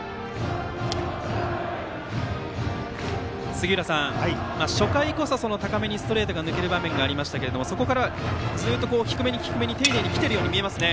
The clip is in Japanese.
杉浦さん、初回こそ高めにストレートが抜ける場面がありましたがそこからずっと低めに丁寧に来ているように見えますね。